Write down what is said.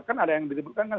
kan ada yang disebutkan kan